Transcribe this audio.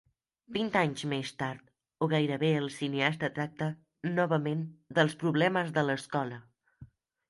Vint anys més tard, o gairebé, el cineasta tracta, novament, dels problemes de l'escola.